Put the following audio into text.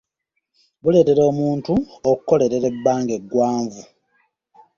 Buleetera omuntu okukololera ebbanga eggwanvu.